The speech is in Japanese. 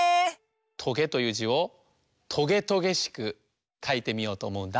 「とげ」という「じ」をとげとげしくかいてみようとおもうんだ。